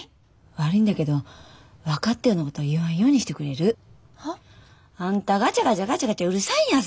悪いんだけど分かったようなこと言わんようにしてくれる？は？あんたがちゃがちゃがちゃがちゃうるさいんやさ。